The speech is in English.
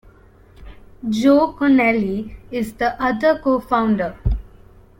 Joe Connelly is the other co-founder.